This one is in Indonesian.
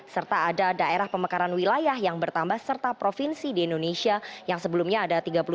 serta ada daerah pemekaran wilayah yang bertambah serta provinsi di indonesia yang sebelumnya ada tiga puluh tujuh